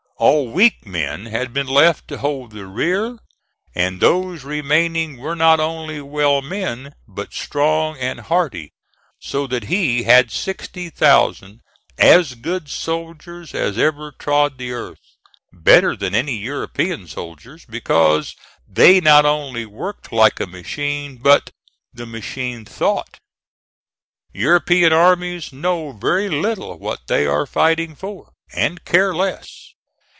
All weak men had been left to hold the rear, and those remaining were not only well men, but strong and hardy, so that he had sixty thousand as good soldiers as ever trod the earth; better than any European soldiers, because they not only worked like a machine but the machine thought. European armies know very little what they are fighting for, and care less.